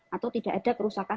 atau tidak ada kerusakan